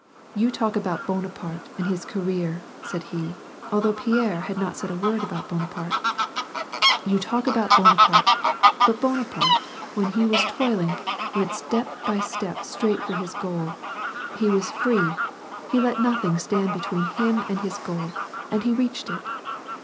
You talk about Bonaparte and his career," said he, although Pierre had not said a word about Bonaparte. " You talk about Bonaparte, but Bonaparte, when he was toiling, went step by step straight for his goal ; he was free ; he let nothing stand between him and his goal, and he reached it.